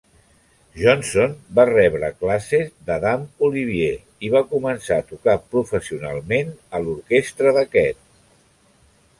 Johnson va rebre classes d'Adam Olivier i va començar a tocar professionalment a l'orquestra d'aquest.